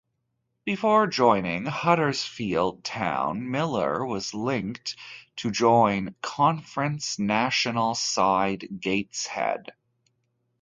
Before joining Huddersfield Town, Miller was linked to join Conference National side Gateshead.